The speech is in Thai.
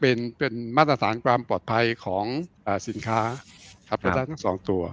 พี่มากเป็นมาตรฐานความปลอดภัยของสินค้าสองตัว